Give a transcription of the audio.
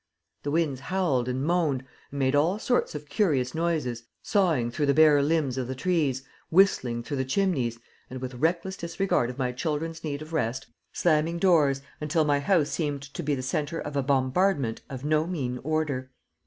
The winds howled and moaned and made all sorts of curious noises, soughing through the bare limbs of the trees, whistling through the chimneys, and, with reckless disregard of my children's need of rest, slamming doors until my house seemed to be the centre of a bombardment of no mean order.